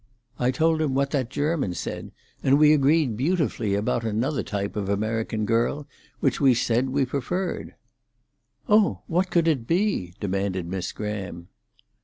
I told him what that German said, and we agreed beautifully about another type of American girl which we said we preferred." "Oh! What could it be?" demanded Miss Graham.